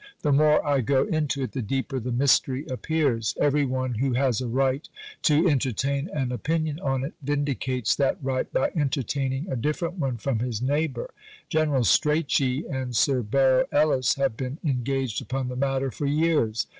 The more I go into it, the deeper the mystery appears. Every one who has a right to entertain an opinion on it vindicates that right by entertaining a different one from his neighbour. General Strachey and Sir Barrow Ellis have been engaged upon the matter for years.